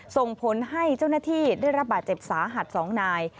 ส่งผลให้เจ้าหน้าที่ได้รับบาดเจ็บสาหัส๒นาย